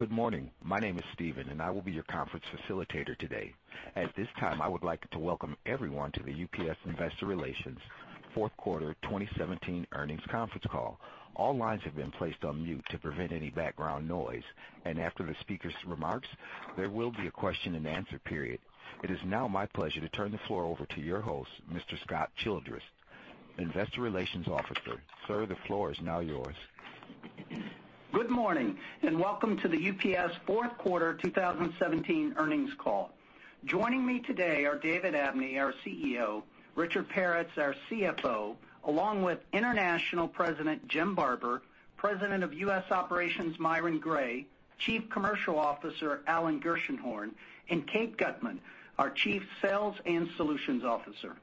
Good morning. My name is Steven, and I will be your conference facilitator today. At this time, I would like to welcome everyone to the UPS Investor Relations fourth quarter 2017 earnings conference call. All lines have been placed on mute to prevent any background noise, and after the speaker's remarks, there will be a question and answer period. It is now my pleasure to turn the floor over to your host, Mr. Scott Childress, Investor Relations Officer. Sir, the floor is now yours. Good morning, and welcome to the UPS fourth quarter 2017 earnings call. Joining me today are David Abney, our CEO, Richard Peretz, our CFO, along with International President Jim Barber, President of U.S. Operations Myron Gray, Chief Commercial Officer Alan Gershenhorn, and Kate Gutmann, our Chief Sales and Solutions Officer.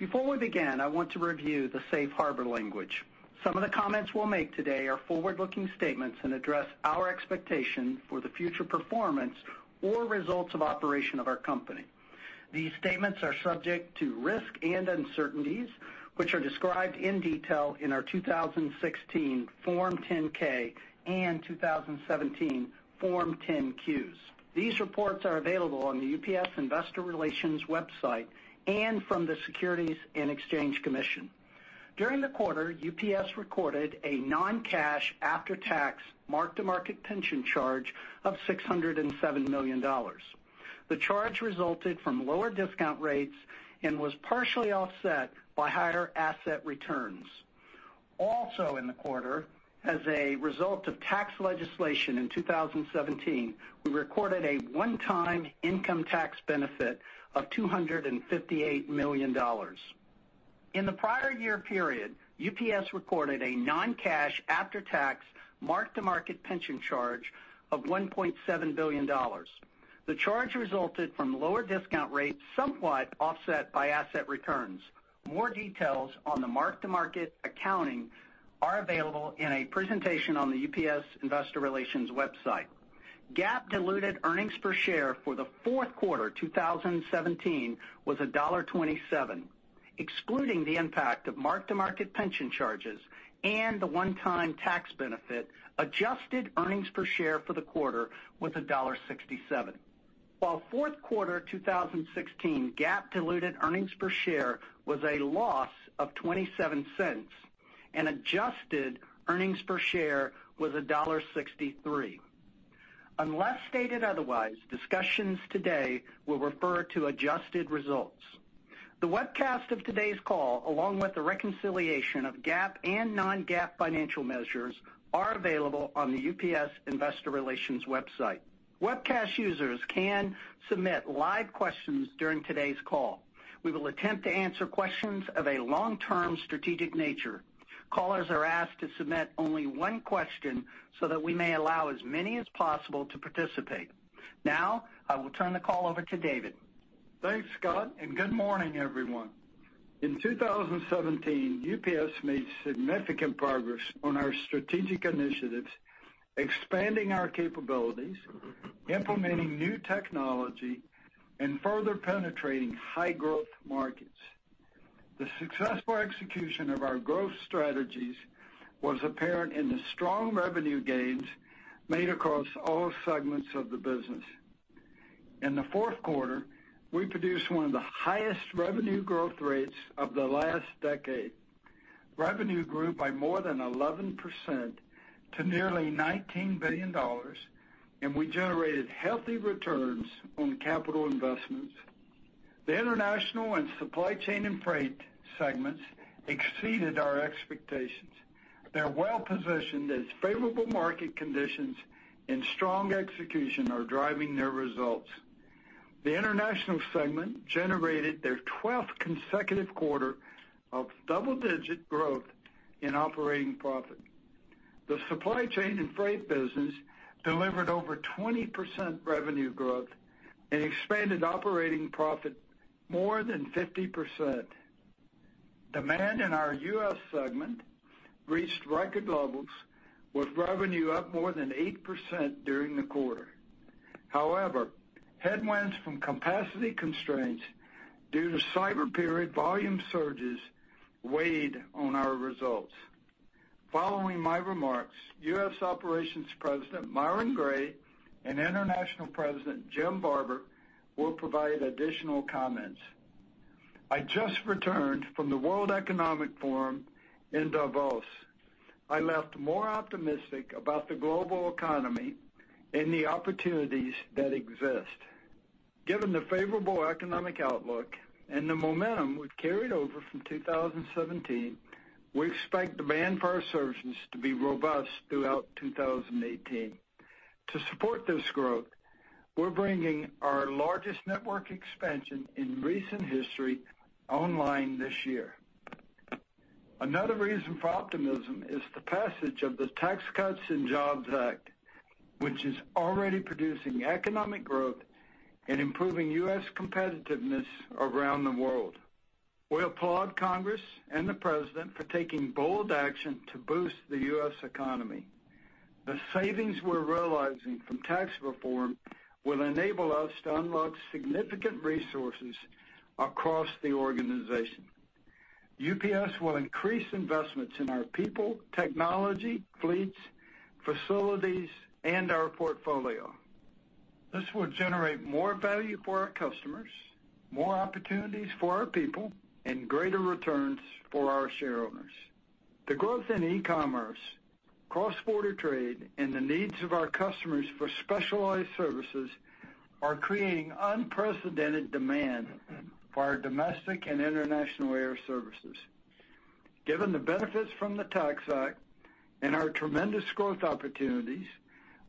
Before we begin, I want to review the safe harbor language. Some of the comments we'll make today are forward-looking statements and address our expectation for the future performance or results of operation of our company. These statements are subject to risk and uncertainties, which are described in detail in our 2016 Form 10-K and 2017 Form 10-Qs. These reports are available on the UPS Investor Relations website and from the Securities and Exchange Commission. During the quarter, UPS recorded a non-cash, after-tax market-to-market pension charge of $607 million. The charge resulted from lower discount rates and was partially offset by higher asset returns. In the quarter, as a result of tax legislation in 2017, we recorded a one-time income tax benefit of $258 million. In the prior year period, UPS recorded a non-cash, after-tax market-to-market pension charge of $1.7 billion. The charge resulted from lower discount rates, somewhat offset by asset returns. More details on the mark-to-market accounting are available in a presentation on the UPS Investor Relations website. GAAP diluted earnings per share for the fourth quarter 2017 was $1.27. Excluding the impact of market-to-market pension charges and the one-time tax benefit, adjusted earnings per share for the quarter was $1.67. Fourth quarter 2016 GAAP diluted earnings per share was a loss of $0.27 and adjusted earnings per share was $1.63. Unless stated otherwise, discussions today will refer to adjusted results. The webcast of today's call, along with the reconciliation of GAAP and non-GAAP financial measures, are available on the UPS Investor Relations website. Webcast users can submit live questions during today's call. We will attempt to answer questions of a long-term strategic nature. Callers are asked to submit only one question so that we may allow as many as possible to participate. I will turn the call over to David. Thanks, Scott, and good morning, everyone. In 2017, UPS made significant progress on our strategic initiatives, expanding our capabilities, implementing new technology, and further penetrating high-growth markets. The successful execution of our growth strategies was apparent in the strong revenue gains made across all segments of the business. In the fourth quarter, we produced one of the highest revenue growth rates of the last decade. Revenue grew by more than 11% to nearly $19 billion, and we generated healthy returns on capital investments. The International and Supply Chain and Freight segments exceeded our expectations. They're well-positioned as favorable market conditions and strong execution are driving their results. The International segment generated their 12th consecutive quarter of double-digit growth in operating profit. The Supply Chain and Freight business delivered over 20% revenue growth and expanded operating profit more than 50%. Demand in our U.S. segment reached record levels with revenue up more than 8% during the quarter. However, headwinds from capacity constraints due to cyber period volume surges weighed on our results. Following my remarks, U.S. Operations President Myron Gray and International President Jim Barber will provide additional comments. I just returned from the World Economic Forum in Davos. I left more optimistic about the global economy and the opportunities that exist. Given the favorable economic outlook and the momentum we've carried over from 2017, we expect demand for our services to be robust throughout 2018. To support this growth, we're bringing our largest network expansion in recent history online this year. Another reason for optimism is the passage of the Tax Cuts and Jobs Act, which is already producing economic growth and improving U.S. competitiveness around the world. We applaud Congress and the President for taking bold action to boost the U.S. economy. The savings we're realizing from tax reform will enable us to unlock significant resources across the organization. UPS will increase investments in our people, technology, fleets, facilities, and our portfolio. This will generate more value for our customers, more opportunities for our people, and greater returns for our shareowners. The growth in e-commerce, cross-border trade, and the needs of our customers for specialized services are creating unprecedented demand for our domestic and International air services. Given the benefits from the Tax Act and our tremendous growth opportunities,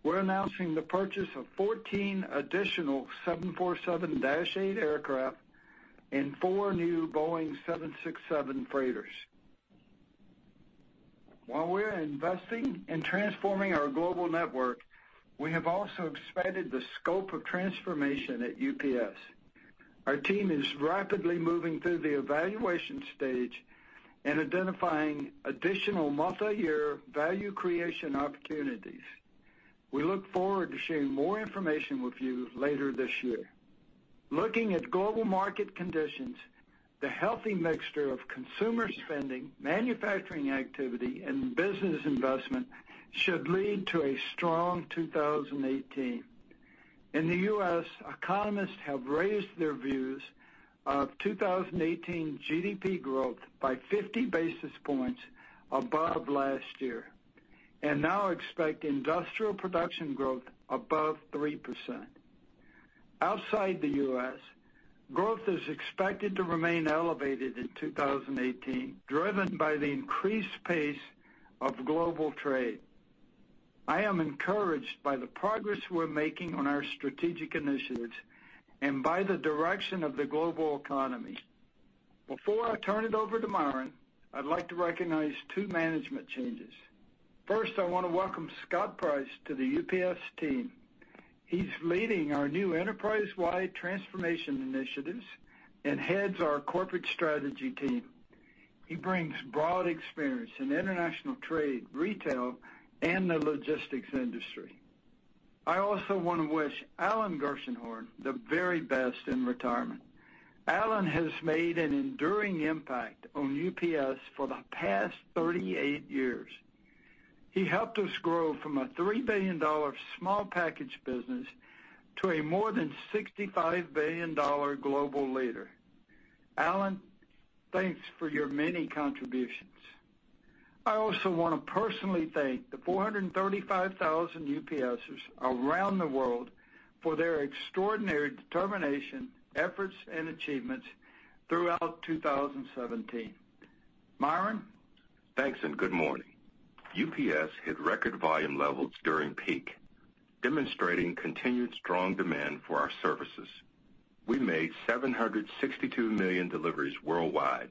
we're announcing the purchase of 14 additional 747-8 aircraft and four new Boeing 767 freighters. While we're investing in transforming our global network, we have also expanded the scope of transformation at UPS. Our team is rapidly moving through the evaluation stage and identifying additional multi-year value creation opportunities. We look forward to sharing more information with you later this year. Looking at global market conditions, the healthy mixture of consumer spending, manufacturing activity, and business investment should lead to a strong 2018. In the U.S., economists have raised their views of 2018 GDP growth by 50 basis points above last year, and now expect industrial production growth above 3%. Outside the U.S., growth is expected to remain elevated in 2018, driven by the increased pace of global trade. I am encouraged by the progress we're making on our strategic initiatives and by the direction of the global economy. Before I turn it over to Myron, I'd like to recognize two management changes. First, I want to welcome Scott Price to the UPS team. He's leading our new enterprise-wide transformation initiatives and heads our corporate strategy team. He brings broad experience in international trade, retail, and the logistics industry. I also want to wish Alan Gershenhorn the very best in retirement. Alan has made an enduring impact on UPS for the past 38 years. He helped us grow from a $3 billion small package business to a more than $65 billion global leader. Alan, thanks for your many contributions. I also want to personally thank the 435,000 UPSers around the world for their extraordinary determination, efforts, and achievements throughout 2017. Myron? Thanks, good morning. UPS hit record volume levels during peak, demonstrating continued strong demand for our services. We made 762 million deliveries worldwide,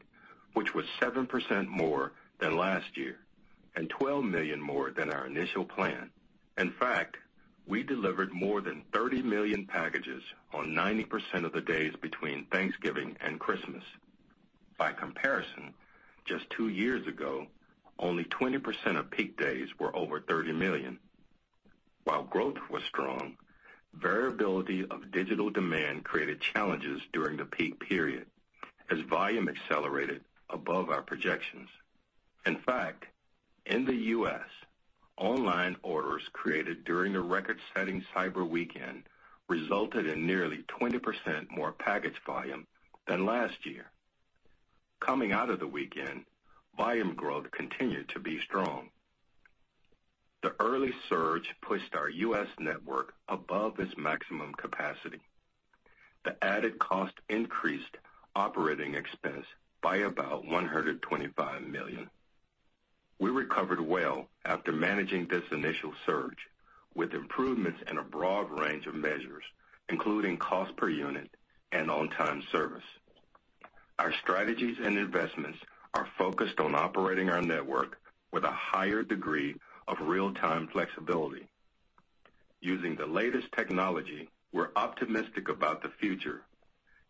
which was 7% more than last year and 12 million more than our initial plan. In fact, we delivered more than 30 million packages on 90% of the days between Thanksgiving and Christmas. By comparison, just two years ago, only 20% of peak days were over 30 million. While growth was strong, variability of digital demand created challenges during the peak period as volume accelerated above our projections. In fact, in the U.S., online orders created during the record-setting cyber weekend resulted in nearly 20% more package volume than last year. Coming out of the weekend, volume growth continued to be strong. The early surge pushed our U.S. network above its maximum capacity. The added cost increased operating expense by about $125 million. We recovered well after managing this initial surge, with improvements in a broad range of measures, including cost per unit and on-time service. Our strategies and investments are focused on operating our network with a higher degree of real-time flexibility. Using the latest technology, we're optimistic about the future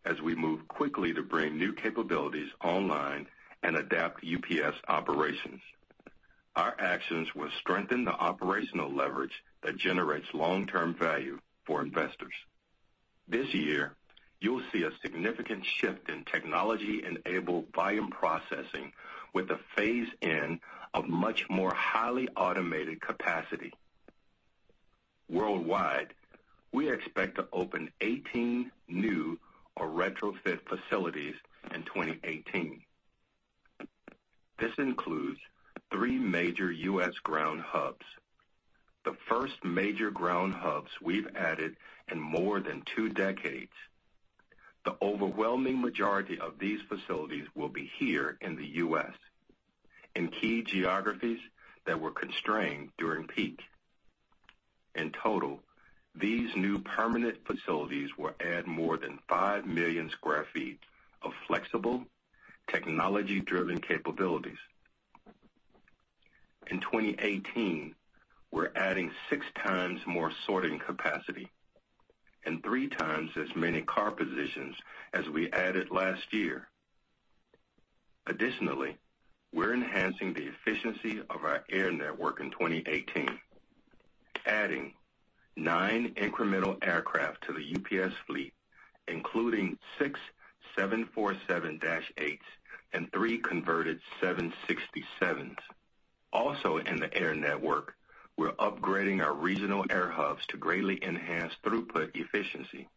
as we move quickly to bring new capabilities online and adapt UPS operations. Our actions will strengthen the operational leverage that generates long-term value for investors. This year, you'll see a significant shift in technology-enabled volume processing with the phase-in of much more highly automated capacity. Worldwide, we expect to open 18 new or retrofit facilities in 2018. This includes three major U.S. ground hubs, the first major ground hubs we've added in more than two decades. The overwhelming majority of these facilities will be here in the U.S., in key geographies that were constrained during peak. In total, these new permanent facilities will add more than five million square feet of flexible, technology-driven capabilities. In 2018, we're adding six times more sorting capacity and three times as many car positions as we added last year. Additionally, we're enhancing the efficiency of our air network in 2018. Adding nine incremental aircraft to the UPS fleet, including six 747-8s and three converted 767s. Also in the air network, we're upgrading our regional air hubs to greatly enhance throughput efficiency.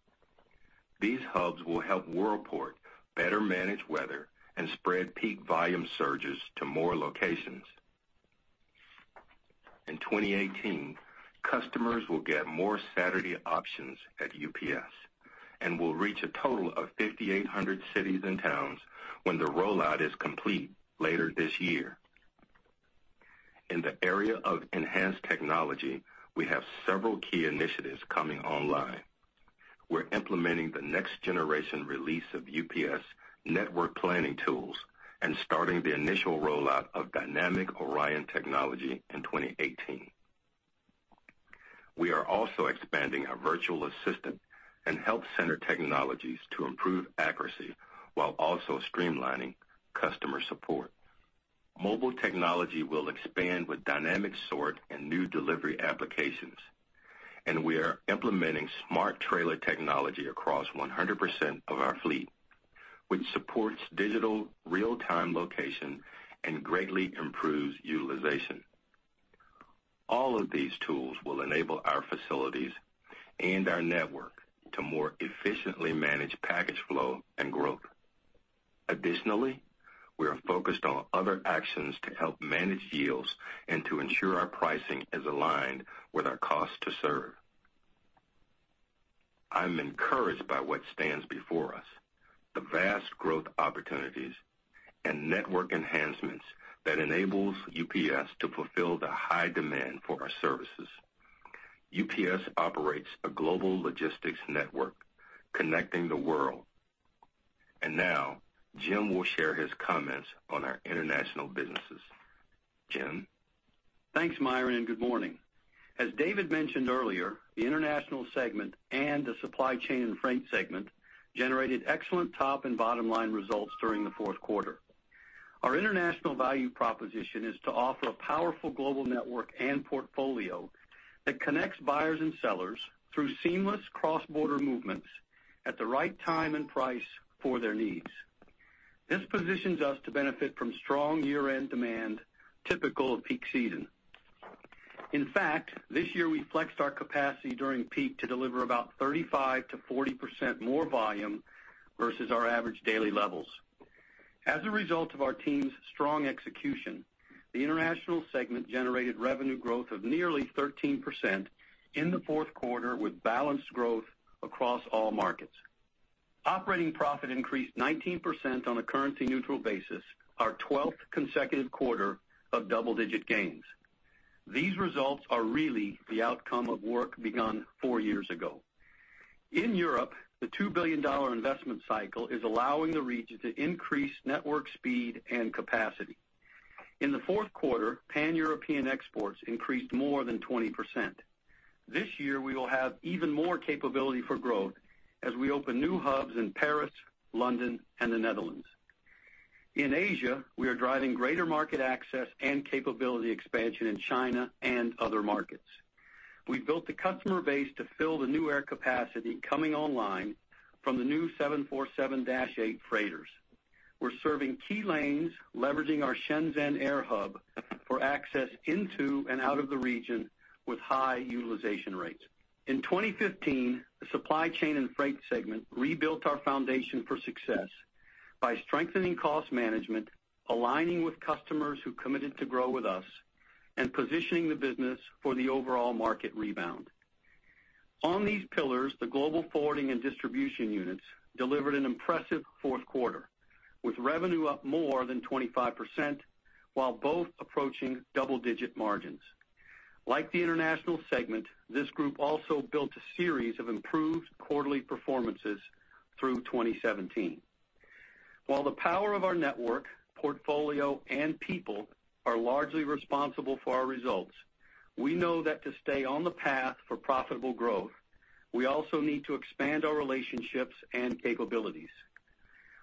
These hubs will help Worldport better manage weather and spread peak volume surges to more locations. In 2018, customers will get more Saturday options at UPS and will reach a total of 5,800 cities and towns when the rollout is complete later this year. In the area of enhanced technology, we have several key initiatives coming online. We're implementing the next generation release of UPS Network Planning Tools and starting the initial rollout of Dynamic ORION technology in 2018. We are also expanding our virtual assistant and help center technologies to improve accuracy while also streamlining customer support. Mobile technology will expand with dynamic sort and new delivery applications, and we are implementing smart trailer technology across 100% of our fleet, which supports digital real-time location and greatly improves utilization. All of these tools will enable our facilities and our network to more efficiently manage package flow and growth. Additionally, we are focused on other actions to help manage yields and to ensure our pricing is aligned with our cost to serve. I'm encouraged by what stands before us, the vast growth opportunities and network enhancements that enables UPS to fulfill the high demand for our services. UPS operates a global smart logistics network connecting the world. Now Jim will share his comments on our international businesses. Jim? Thanks, Myron, and good morning. As David mentioned earlier, the International segment and the Supply Chain and Freight segment generated excellent top and bottom-line results during the fourth quarter. Our international value proposition is to offer a powerful global network and portfolio that connects buyers and sellers through seamless cross-border movements at the right time and price for their needs. This positions us to benefit from strong year-end demand typical of peak season. In fact, this year we flexed our capacity during peak to deliver about 35%-40% more volume versus our average daily levels. As a result of our team's strong execution, the International segment generated revenue growth of nearly 13% in the fourth quarter with balanced growth across all markets. Operating profit increased 19% on a currency-neutral basis, our 12th consecutive quarter of double-digit gains. These results are really the outcome of work begun four years ago. In Europe, the $2 billion investment cycle is allowing the region to increase network speed and capacity. In the fourth quarter, pan-European exports increased more than 20%. This year, we will have even more capability for growth as we open new hubs in Paris, London, and the Netherlands. In Asia, we are driving greater market access and capability expansion in China and other markets. We've built the customer base to fill the new air capacity coming online from the new 747-8 freighters. We're serving key lanes, leveraging our Shenzhen air hub for access into and out of the region with high utilization rates. In 2015, the Supply Chain and Freight segment rebuilt our foundation for success by strengthening cost management, aligning with customers who committed to grow with us, and positioning the business for the overall market rebound. On these pillars, the global forwarding and distribution units delivered an impressive fourth quarter, with revenue up more than 25% while both approaching double-digit margins. Like the International segment, this group also built a series of improved quarterly performances through 2017. While the power of our network, portfolio, and people are largely responsible for our results, we know that to stay on the path for profitable growth, we also need to expand our relationships and capabilities.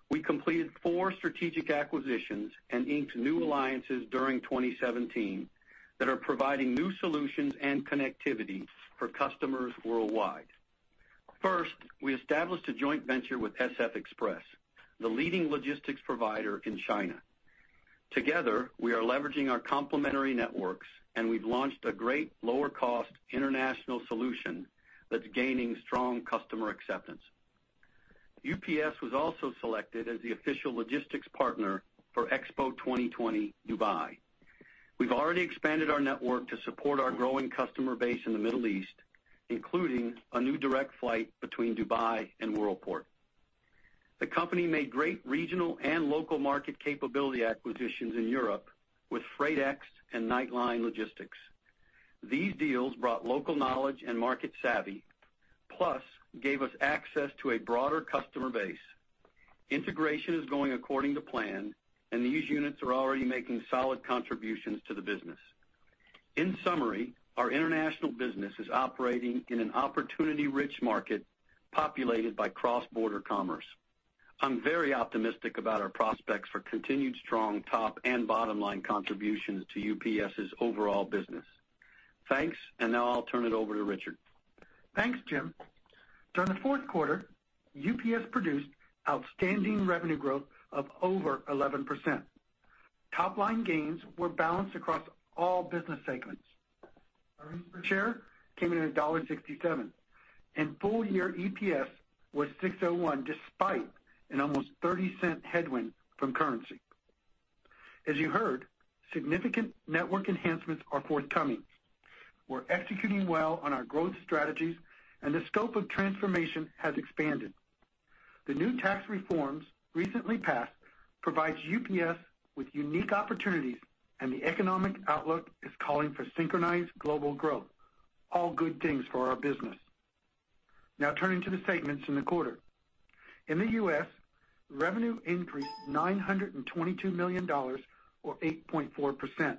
We completed four strategic acquisitions and inked new alliances during 2017 that are providing new solutions and connectivity for customers worldwide. First, we established a joint venture with SF Express, the leading logistics provider in China. Together, we are leveraging our complementary networks. We've launched a great lower-cost international solution that's gaining strong customer acceptance. UPS was also selected as the official logistics partner for Expo 2020 Dubai. We've already expanded our network to support our growing customer base in the Middle East, including a new direct flight between Dubai and Worldport. The company made great regional and local market capability acquisitions in Europe with Freightex and Nightline Logistics. These deals brought local knowledge and market savvy, plus gave us access to a broader customer base. Integration is going according to plan. These units are already making solid contributions to the business. In summary, our international business is operating in an opportunity-rich market populated by cross-border commerce. I'm very optimistic about our prospects for continued strong top and bottom-line contributions to UPS's overall business. Thanks. Now I'll turn it over to Richard. Thanks, Jim. During the fourth quarter, UPS produced outstanding revenue growth of over 11%. Top-line gains were balanced across all business segments. Earnings per share came in at $1.67, and full-year EPS was $6.01, despite an almost $0.30 headwind from currency. As you heard, significant network enhancements are forthcoming. We're executing well on our growth strategies. The scope of transformation has expanded. The new tax reforms recently passed provides UPS with unique opportunities. The economic outlook is calling for synchronized global growth. All good things for our business. Turning to the statements in the quarter. In the U.S., revenue increased $922 million or 8.4%.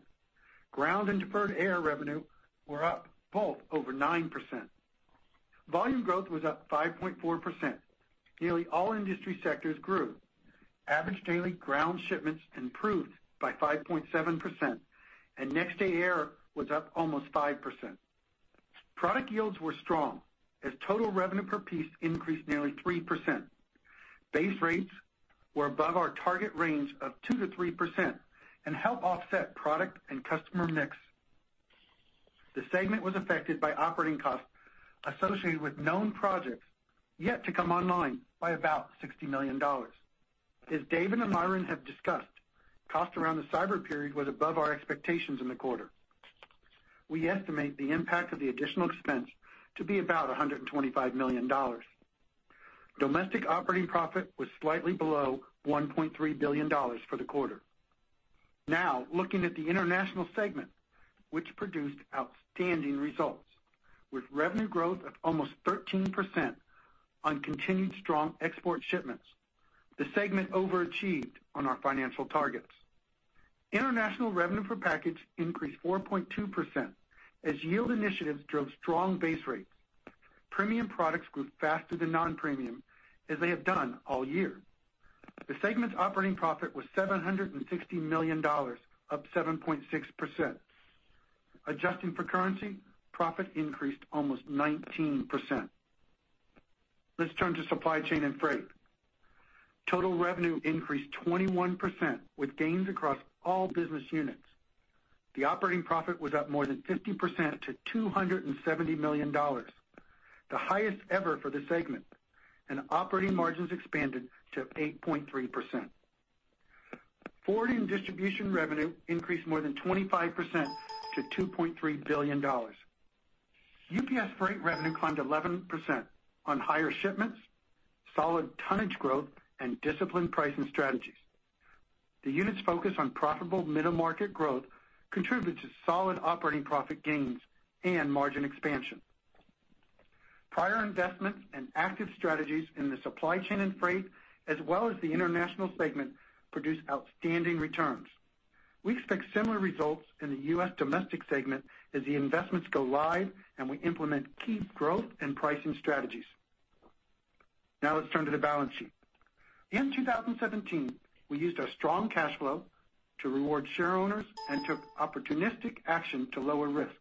Ground and deferred air revenue were up both over 9%. Volume growth was up 5.4%. Nearly all industry sectors grew. Average daily ground shipments improved by 5.7%. Next-day air was up almost 5%. Product yields were strong, as total revenue per piece increased nearly 3%. Base rates were above our target range of 2%-3% and help offset product and customer mix. The segment was affected by operating costs associated with known projects yet to come online by about $60 million. As David and Myron have discussed, cost around the cyber period was above our expectations in the quarter. We estimate the impact of the additional expense to be about $125 million. Domestic operating profit was slightly below $1.3 billion for the quarter. Looking at the International segment, which produced outstanding results. With revenue growth of almost 13% on continued strong export shipments, the segment overachieved on our financial targets. International revenue per package increased 4.2% as yield initiatives drove strong base rates. Premium products grew faster than non-premium, as they have done all year. The segment's operating profit was $760 million, up 7.6%. Adjusting for currency, profit increased almost 19%. Let's turn to supply chain and freight. Total revenue increased 21%, with gains across all business units. The operating profit was up more than 50% to $270 million, the highest ever for the segment, and operating margins expanded to 8.3%. Forwarding distribution revenue increased more than 25% to $2.3 billion. UPS Freight revenue climbed 11% on higher shipments, solid tonnage growth, and disciplined pricing strategies. The unit's focus on profitable middle-market growth contributed to solid operating profit gains and margin expansion. Prior investments and active strategies in the supply chain and freight, as well as the international segment, produced outstanding returns. We expect similar results in the U.S. domestic segment as the investments go live and we implement key growth and pricing strategies. Let's turn to the balance sheet. In 2017, we used our strong cash flow to reward shareowners and took opportunistic action to lower risk.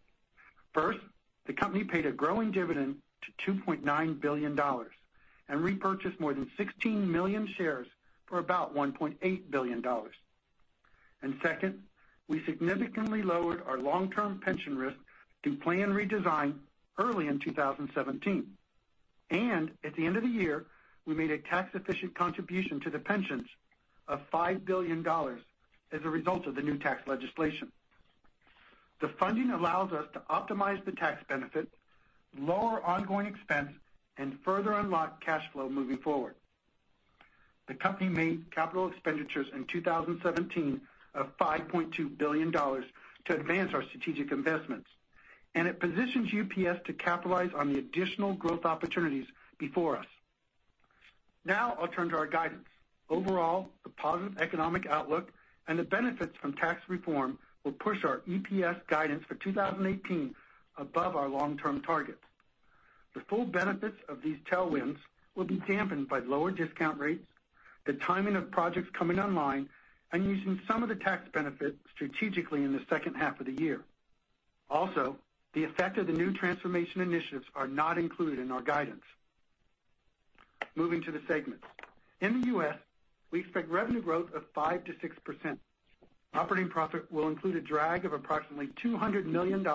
First, the company paid a growing dividend to $2.9 billion and repurchased more than 16 million shares for about $1.8 billion. Second, we significantly lowered our long-term pension risk through plan redesign early in 2017. At the end of the year, we made a tax-efficient contribution to the pensions of $5 billion as a result of the new tax legislation. The funding allows us to optimize the tax benefit, lower ongoing expense, and further unlock cash flow moving forward. The company made capital expenditures in 2017 of $5.2 billion to advance our strategic investments, and it positions UPS to capitalize on the additional growth opportunities before us. I'll turn to our guidance. Overall, the positive economic outlook and the benefits from tax reform will push our EPS guidance for 2018 above our long-term targets. The full benefits of these tailwinds will be dampened by lower discount rates, the timing of projects coming online, and using some of the tax benefits strategically in the second half of the year. The effect of the new transformation initiatives are not included in our guidance. Moving to the segments. In the U.S., we expect revenue growth of 5%-6%. Operating profit will include a drag of approximately $200 million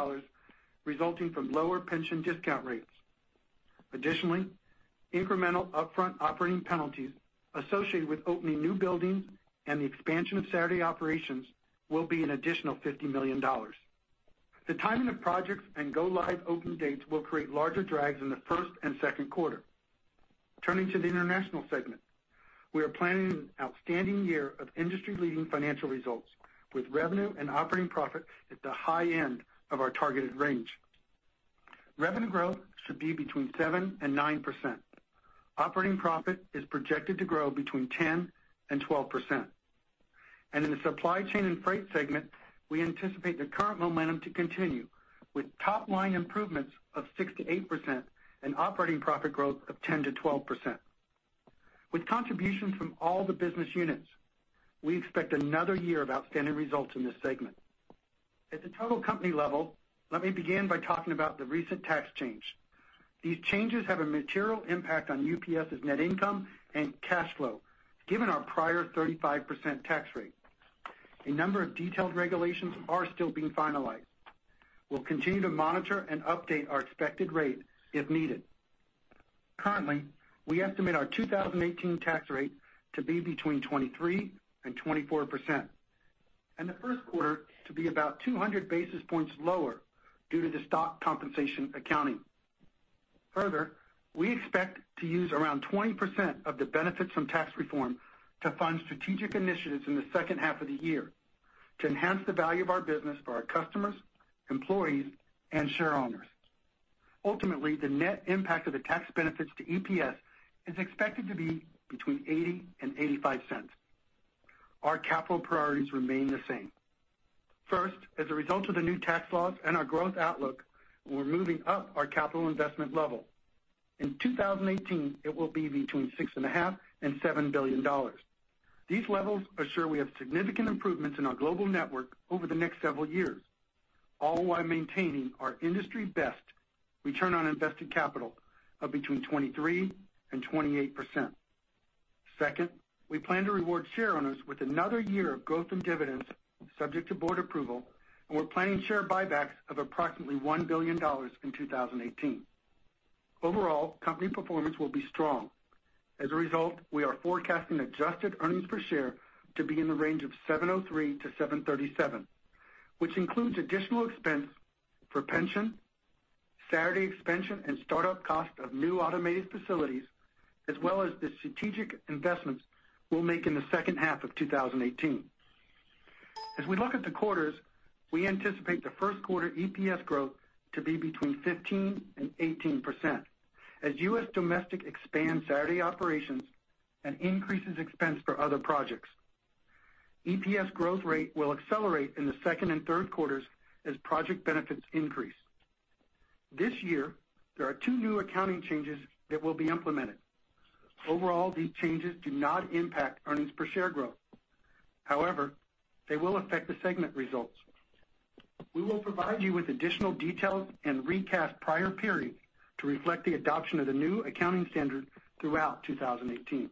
resulting from lower pension discount rates. Additionally, incremental upfront operating penalties associated with opening new buildings and the expansion of Saturday operations will be an additional $50 million. The timing of projects and go-live open dates will create larger drags in the first and second quarter. Turning to the international segment. We are planning an outstanding year of industry-leading financial results with revenue and operating profit at the high end of our targeted range. Revenue growth should be between 7% and 9%. Operating profit is projected to grow between 10% and 12%. In the supply chain and freight segment, we anticipate the current momentum to continue, with top-line improvements of 6%-8% and operating profit growth of 10%-12%. With contributions from all the business units, we expect another year of outstanding results in this segment. At the total company level, let me begin by talking about the recent tax change. These changes have a material impact on UPS's net income and cash flow, given our prior 35% tax rate. A number of detailed regulations are still being finalized. We'll continue to monitor and update our expected rate if needed. Currently, we estimate our 2018 tax rate to be between 23% and 24%, and the first quarter to be about 200 basis points lower due to the stock compensation accounting. Further, we expect to use around 20% of the benefits from tax reform to fund strategic initiatives in the second half of the year to enhance the value of our business for our customers, employees, and shareowners. Ultimately, the net impact of the tax benefits to EPS is expected to be between $0.80 and $0.85. Our capital priorities remain the same. First, as a result of the new tax laws and our growth outlook, we're moving up our capital investment level. In 2018, it will be between $6.5 billion and $7 billion. These levels assure we have significant improvements in our global network over the next several years, all while maintaining our industry-best return on invested capital of between 23% and 28%. Second, we plan to reward shareowners with another year of growth and dividends subject to board approval, and we're planning share buybacks of approximately $1 billion in 2018. Overall, company performance will be strong. As a result, we are forecasting adjusted earnings per share to be in the range of $7.03 to $7.37, which includes additional expense for pension, Saturday expansion, and startup cost of new automated facilities, as well as the strategic investments we'll make in the second half of 2018. As we look at the quarters, we anticipate the first quarter EPS growth to be between 15% and 18% as U.S. domestic expands Saturday operations and increases expense for other projects. EPS growth rate will accelerate in the second and third quarters as project benefits increase. This year, there are two new accounting changes that will be implemented. Overall, these changes do not impact earnings per share growth. However, they will affect the segment results. We will provide you with additional details and recast prior periods to reflect the adoption of the new accounting standard throughout 2018.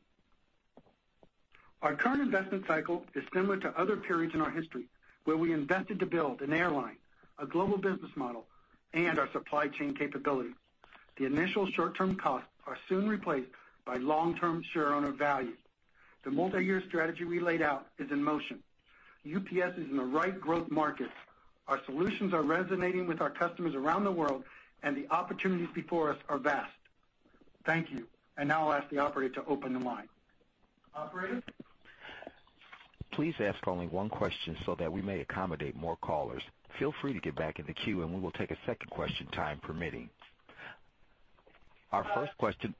Our current investment cycle is similar to other periods in our history, where we invested to build an airline, a global business model, and our supply chain capability. The initial short-term costs are soon replaced by long-term shareowner value. The multi-year strategy we laid out is in motion. UPS is in the right growth markets. Our solutions are resonating with our customers around the world, and the opportunities before us are vast. Thank you. Now I'll ask the operator to open the line. Operator? Please ask only one question so that we may accommodate more callers. Feel free to get back in the queue, and we will take a second question, time permitting. Our first question-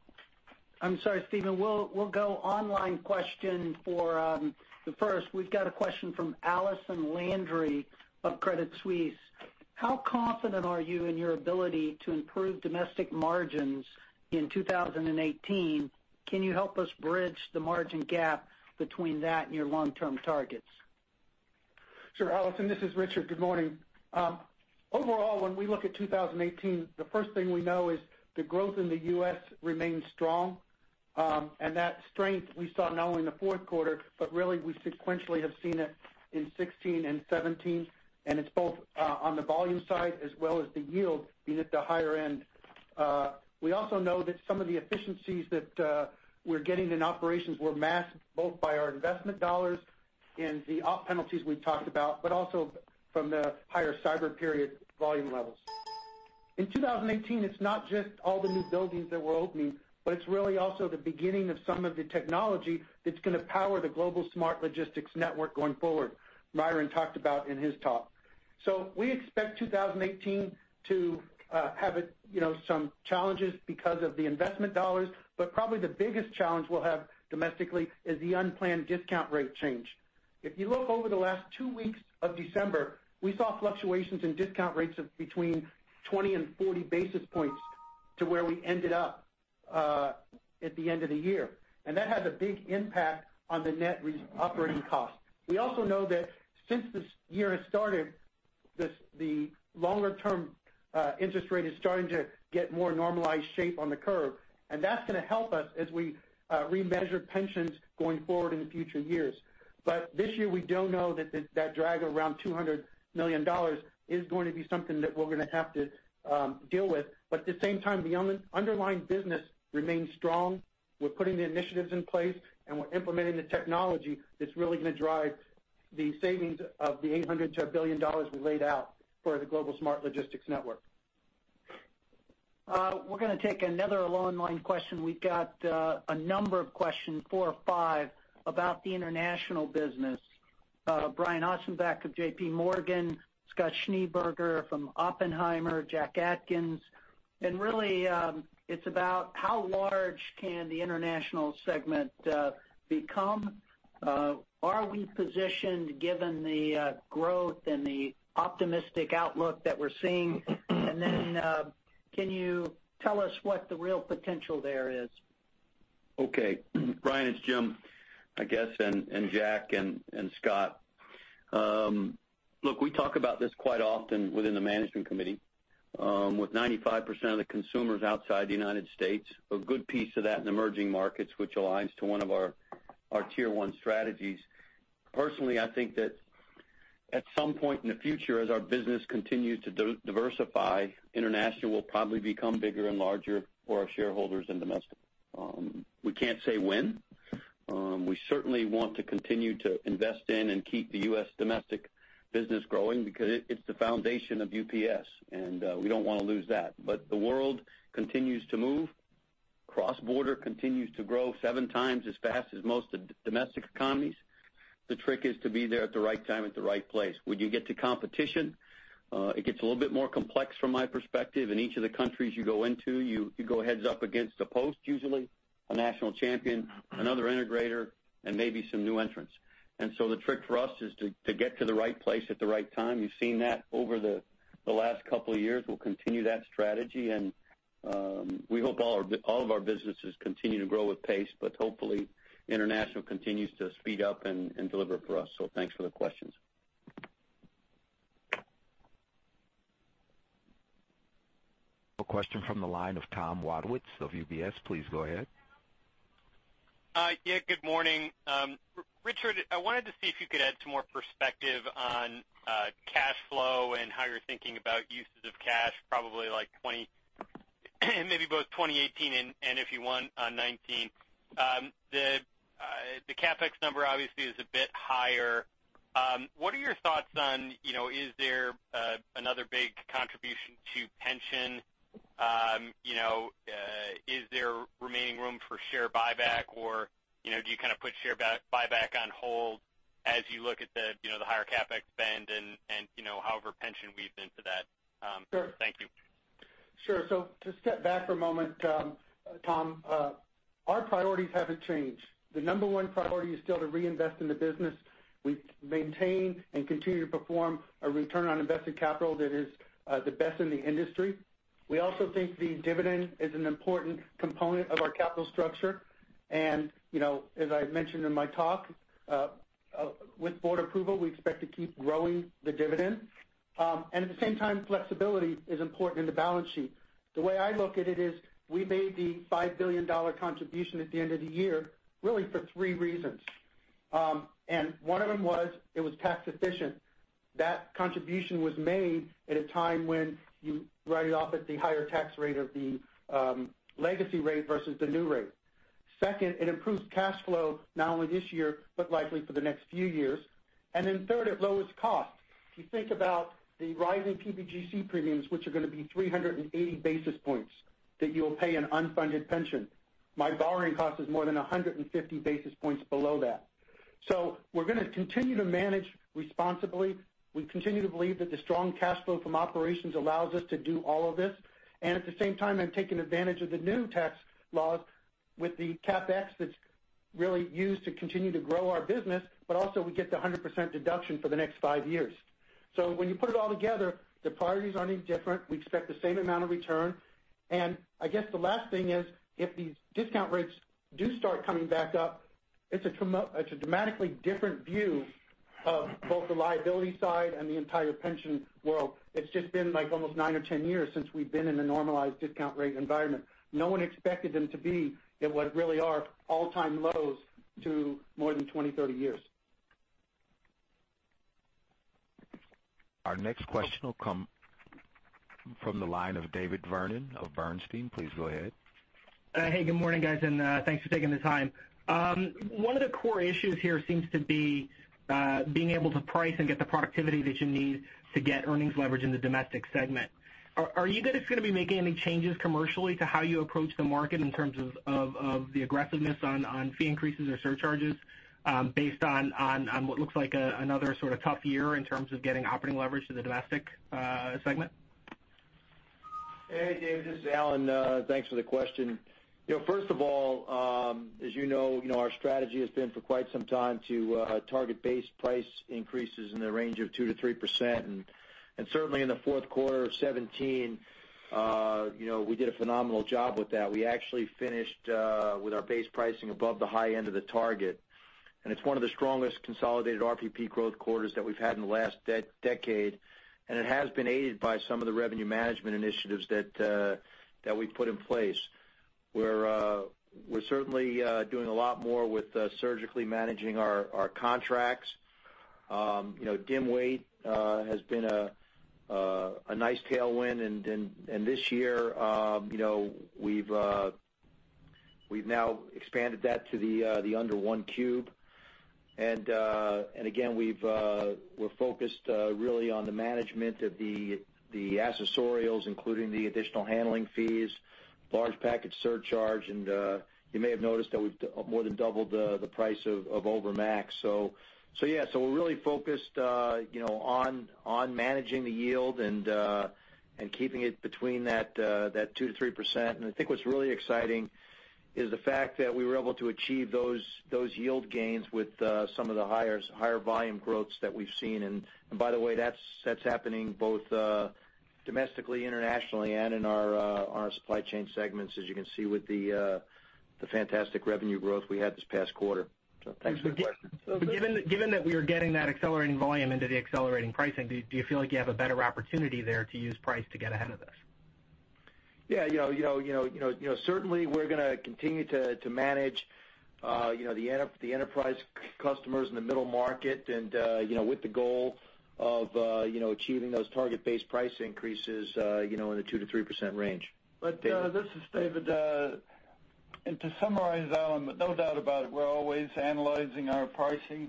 I'm sorry, Steven. We'll go online question for the first. We've got a question from Allison Landry of Credit Suisse. How confident are you in your ability to improve domestic margins in 2018? Can you help us bridge the margin gap between that and your long-term targets? Sure, Allison, this is Richard. Good morning. When we look at 2018, the first thing we know is the growth in the U.S. remains strong. That strength we saw not only in the fourth quarter, but really we sequentially have seen it in 2016 and 2017. It's both on the volume side as well as the yield being at the higher end. We also know that some of the efficiencies that we're getting in operations were masked both by our investment dollars and the op penalties we talked about, also from the higher cyber period volume levels. In 2018, it's not just all the new buildings that we're opening, it's really also the beginning of some of the technology that's going to power the global smart logistics network going forward Myron talked about in his talk. We expect 2018 to have some challenges because of the investment dollars, but probably the biggest challenge we'll have domestically is the unplanned discount rate change. If you look over the last two weeks of December, we saw fluctuations in discount rates of between 20 and 40 basis points to where we ended up at the end of the year. That has a big impact on the net operating cost. We also know that since this year has started, the longer term interest rate is starting to get more normalized shape on the curve. That's going to help us as we remeasure pensions going forward in the future years. This year, we do know that drag around $200 million is going to be something that we're going to have to deal with. At the same time, the underlying business remains strong. We're putting the initiatives in place and we're implementing the technology that's really going to drive the savings of the $800 million-$1 billion we laid out for the global smart logistics network. We're going to take another online question. We've got a number of questions, 4 or 5, about the international business. Brian Ossenbeck of JPMorgan, Scott Schneeberger from Oppenheimer, Jack Atkins. Really, it's about how large can the international segment become? Are we positioned given the growth and the optimistic outlook that we're seeing? Can you tell us what the real potential there is? Okay. Brian, it's Jim, I guess, and Jack and Scott. Look, we talk about this quite often within the management committee. With 95% of the consumers outside the U.S., a good piece of that in emerging markets, which aligns to one of our Tier 1 strategies. Personally, I think that at some point in the future, as our business continues to diversify, international will probably become bigger and larger for our shareholders than domestic. We can't say when. We certainly want to continue to invest in and keep the U.S. domestic business growing because it's the foundation of UPS, and we don't want to lose that. The world continues to move. Cross-border continues to grow 7 times as fast as most domestic economies. The trick is to be there at the right time, at the right place. When you get to competition, it gets a little bit more complex from my perspective. In each of the countries you go into, you go heads up against a post, usually, a national champion, another integrator, and maybe some new entrants. The trick for us is to get to the right place at the right time. You've seen that over the last couple of years. We'll continue that strategy, and we hope all of our businesses continue to grow with pace, but hopefully, international continues to speed up and deliver for us. Thanks for the questions. A question from the line of Tom Wadewitz of UBS. Please go ahead. Yeah, good morning. Richard, I wanted to see if you could add some more perspective on cash flow and how you're thinking about uses of cash, probably maybe both 2018 and if you want, on 2019. The CapEx number obviously is a bit higher. What are your thoughts on, is there another big contribution to pension? Is there remaining room for share buyback, or do you kind of put share buyback on hold as you look at the higher CapEx spend and however pension weaves into that? Sure. Thank you. Sure. To step back for a moment, Tom, our priorities haven't changed. The number one priority is still to reinvest in the business. We maintain and continue to perform a return on invested capital that is the best in the industry. We also think the dividend is an important component of our capital structure. As I mentioned in my talk, with board approval, we expect to keep growing the dividend. At the same time, flexibility is important in the balance sheet. The way I look at it is, we made the $5 billion contribution at the end of the year really for three reasons. One of them was it was tax efficient. That contribution was made at a time when you write it off at the higher tax rate of the legacy rate versus the new rate. Second, it improves cash flow not only this year, but likely for the next few years. Then third, it lowers cost. If you think about the rising PBGC premiums, which are going to be 380 basis points that you'll pay an unfunded pension, my borrowing cost is more than 150 basis points below that. We're going to continue to manage responsibly. We continue to believe that the strong cash flow from operations allows us to do all of this. At the same time, I'm taking advantage of the new tax laws with the CapEx that's really used to continue to grow our business, but also we get the 100% deduction for the next five years. When you put it all together, the priorities aren't any different. We expect the same amount of return. I guess the last thing is, if these discount rates do start coming back up, it's a dramatically different view of both the liability side and the entire pension world. It's just been almost nine or 10 years since we've been in a normalized discount rate environment. No one expected them to be at what really are all-time lows to more than 20, 30 years. Our next question will come from the line of David Vernon of Bernstein. Please go ahead. Hey, good morning guys, thanks for taking the time. One of the core issues here seems to be being able to price and get the productivity that you need to get earnings leverage in the domestic segment. Are you guys going to be making any changes commercially to how you approach the market in terms of the aggressiveness on fee increases or surcharges based on what looks like another sort of tough year in terms of getting operating leverage to the domestic segment? Hey, David, this is Alan. Thanks for the question. First of all, as you know, our strategy has been for quite some time to target base price increases in the range of 2%-3%. Certainly in the fourth quarter of 2017, we did a phenomenal job with that. We actually finished with our base pricing above the high end of the target. It's one of the strongest consolidated RPP growth quarters that we've had in the last decade, and it has been aided by some of the revenue management initiatives that we put in place. We're certainly doing a lot more with surgically managing our contracts. DIM weight has been a nice tailwind, and this year, we've now expanded that to the under one cube. Again, we're focused really on the management of the accessorials, including the additional handling fees, large package surcharge, you may have noticed that we've more than doubled the price of Overmax. We're really focused on managing the yield and keeping it between that 2% to 3%. I think what's really exciting is the fact that we were able to achieve those yield gains with some of the higher volume growths that we've seen. By the way, that's happening both domestically, internationally, and in our supply chain segments, as you can see with the fantastic revenue growth we had this past quarter. Thanks for the question. Given that we are getting that accelerating volume into the accelerating pricing, do you feel like you have a better opportunity there to use price to get ahead of this? Certainly, we're going to continue to manage the enterprise customers in the middle market and with the goal of achieving those target-based price increases in the 2% to 3% range. This is David. To summarize, Alan, no doubt about it, we're always analyzing our pricing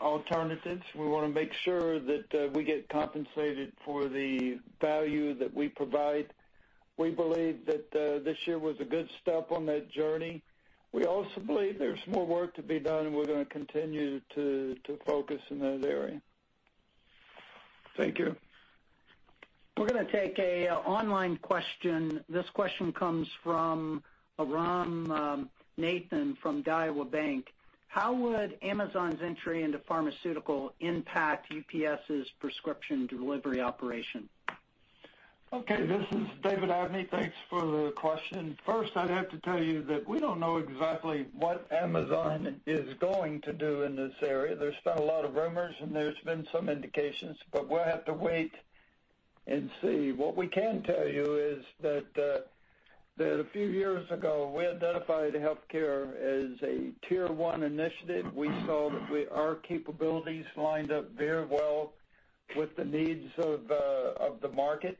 alternatives. We want to make sure that we get compensated for the value that we provide. We believe that this year was a good step on that journey. We also believe there's more work to be done, and we're going to continue to focus in that area. Thank you. We're going to take an online question. This question comes from Jairam Nathan from Daiwa Capital Markets. How would Amazon's entry into pharmaceutical impact UPS's prescription delivery operation? Okay, this is David Abney. Thanks for the question. First, I'd have to tell you that we don't know exactly what Amazon is going to do in this area. There's been a lot of rumors and there's been some indications, but we'll have to wait and see. What we can tell you is that a few years ago, we identified healthcare as a tier 1 initiative. We saw that our capabilities lined up very well with the needs of the market.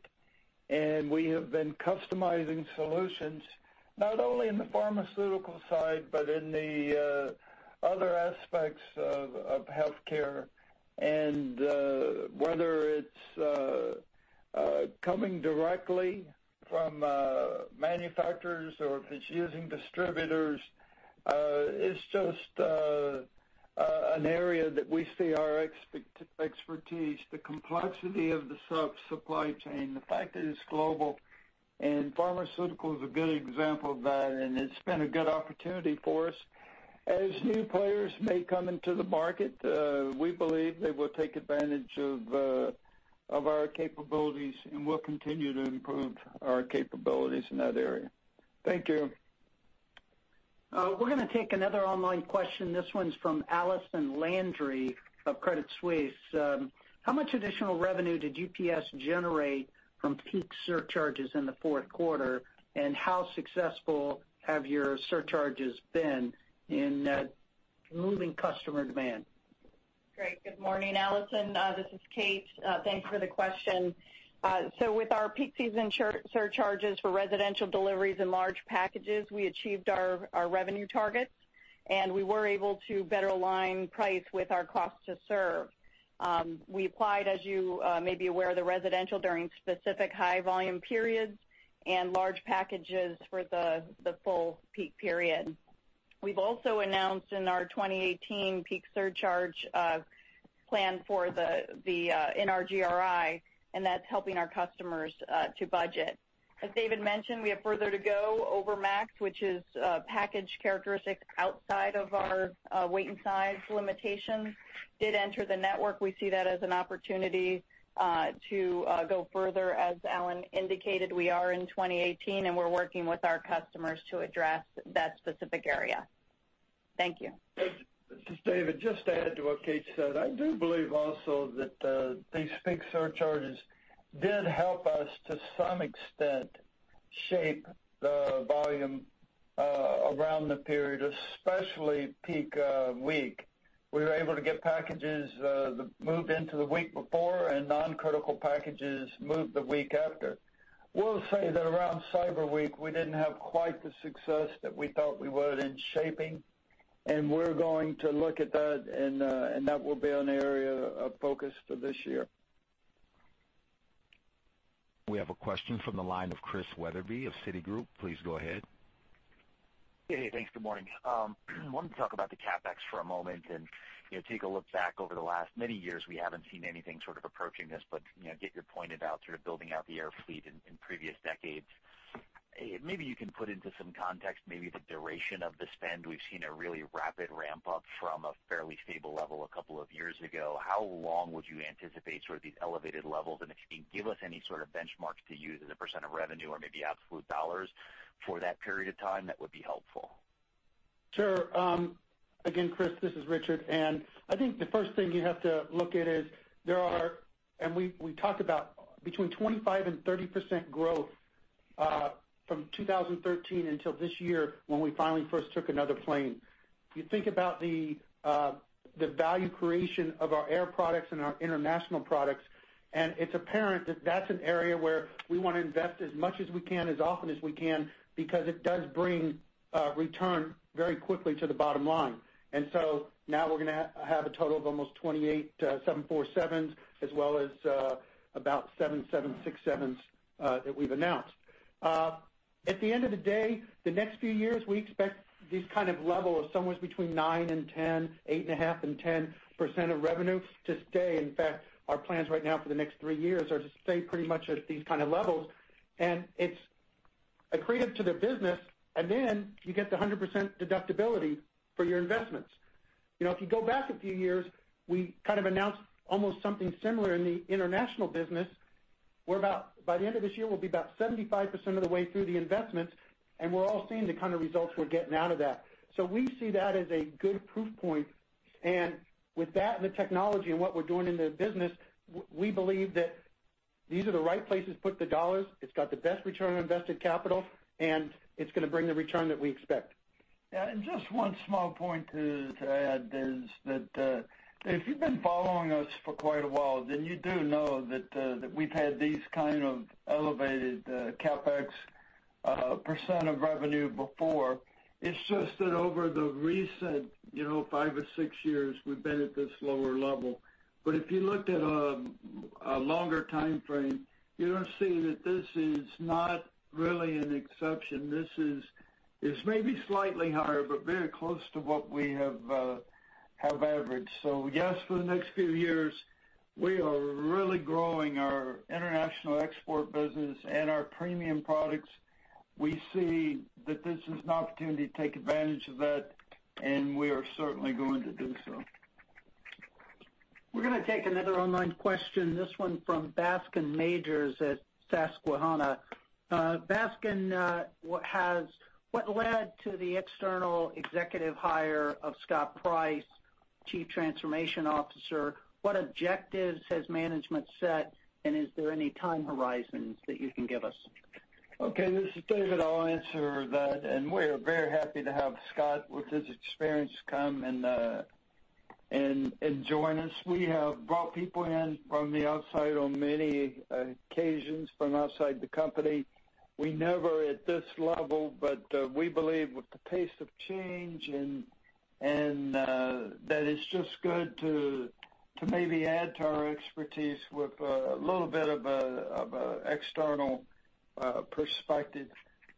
And we have been customizing solutions not only in the pharmaceutical side, but in the other aspects of healthcare. And whether it's coming directly from manufacturers or if it's using distributors, it's just an area that we see our expertise, the complexity of the supply chain, the fact that it's global. And pharmaceutical is a good example of that, and it's been a good opportunity for us. As new players may come into the market, we believe they will take advantage of our capabilities, and we'll continue to improve our capabilities in that area. Thank you. We're going to take another online question. This one's from Allison Landry of Credit Suisse. How much additional revenue did UPS generate from peak surcharges in the fourth quarter? And how successful have your surcharges been in moving customer demand? Good morning, Allison. This is Kate. Thanks for the question. With our peak season surcharges for residential deliveries and large packages, we achieved our revenue targets. We were able to better align price with our cost to serve. We applied, as you may be aware, the residential during specific high volume periods and large packages for the full peak period. We've also announced in our 2018 peak surcharge plan in our GRI, and that's helping our customers to budget. As David mentioned, we have further to go. Overmax, which is a package characteristic outside of our weight and size limitations, did enter the network. We see that as an opportunity to go further, as Alan indicated, we are in 2018. We're working with our customers to address that specific area. Thank you. This is David. Just to add to what Kate said, I do believe also that these peak surcharges did help us, to some extent, shape the volume around the period, especially Peak Week. We were able to get packages moved into the week before and non-critical packages moved the week after. Will say that around Cyber Week, we didn't have quite the success that we thought we would in shaping. We're going to look at that, and that will be an area of focus for this year. We have a question from the line of Chris Wetherbee of Citigroup. Please go ahead. Thanks. Good morning. Wanted to talk about the CapEx for a moment and take a look back over the last many years, we haven't seen anything sort of approaching this, but get your point about sort of building out the air fleet in previous decades. Maybe you can put into some context maybe the duration of the spend. We've seen a really rapid ramp-up from a fairly stable level a couple of years ago. How long would you anticipate these elevated levels? If you can give us any sort of benchmarks to use as a % of revenue or maybe absolute dollars for that period of time, that would be helpful. Sure. Again, Chris, this is Richard. I think the first thing you have to look at is there are, and we talked about between 25% and 30% growth From 2013 until this year, when we finally first took another plane. You think about the value creation of our air products and our international products, it's apparent that that's an area where we want to invest as much as we can, as often as we can, because it does bring a return very quickly to the bottom line. So now we're going to have a total of almost 28 747s as well as about 7 767s that we've announced. At the end of the day, the next few years, we expect these kind of level of somewhere between nine and 10, eight and a half and 10% of revenue to stay. In fact, our plans right now for the next three years are to stay pretty much at these kind of levels, it's accretive to the business, then you get the 100% deductibility for your investments. If you go back a few years, we kind of announced almost something similar in the international business, where by the end of this year, we'll be about 75% of the way through the investments, we're all seeing the kind of results we're getting out of that. We see that as a good proof point, with that and the technology and what we're doing in the business, we believe that these are the right places to put the dollars. It's got the best return on invested capital, it's going to bring the return that we expect. Yeah, just one small point to add is that, if you've been following us for quite a while, then you do know that we've had these kind of elevated CapEx percent of revenue before. It's just that over the recent five or six years, we've been at this lower level. If you looked at a longer timeframe, you don't see that this is not really an exception. This is maybe slightly higher, but very close to what we have averaged. Yes, for the next few years, we are really growing our international export business and our premium products. We see that this is an opportunity to take advantage of that, we are certainly going to do so. We're going to take another online question, this one from Bascome Majors at Susquehanna. Bascome, what led to the external executive hire of Scott Price, Chief Transformation Officer? What objectives has management set, is there any time horizons that you can give us? Okay, this is David. I will answer that. We're very happy to have Scott with his experience come and join us. We have brought people in from the outside on many occasions from outside the company. We never at this level, we believe with the pace of change, that it's just good to maybe add to our expertise with a little bit of external perspective.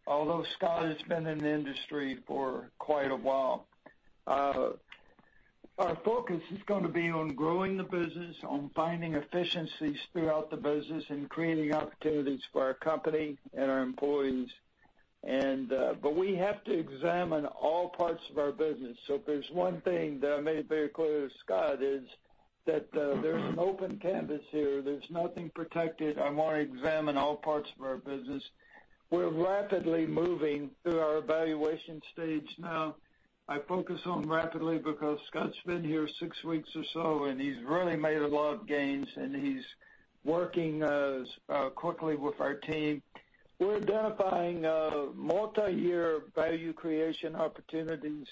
Although Scott has been in the industry for quite a while. Our focus is going to be on growing the business, on finding efficiencies throughout the business and creating opportunities for our company and our employees. We have to examine all parts of our business. If there's one thing that I made very clear to Scott is that there's an open canvas here. There's nothing protected. I want to examine all parts of our business. We're rapidly moving through our evaluation stage now. I focus on rapidly because Scott's been here six weeks or so, he's really made a lot of gains, he's working quickly with our team. We're identifying multi-year value creation opportunities,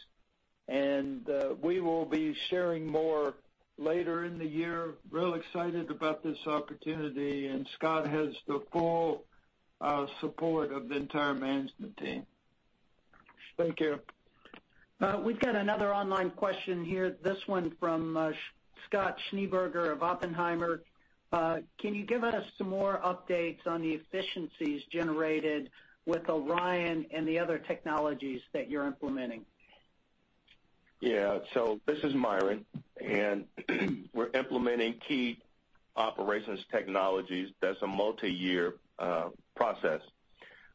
we will be sharing more later in the year. Real excited about this opportunity, Scott has the full support of the entire management team. Thank you. We've got another online question here, this one from Scott Schneeberger of Oppenheimer. Can you give us some more updates on the efficiencies generated with ORION and the other technologies that you're implementing? This is Myron. We're implementing key operations technologies. That's a multi-year process.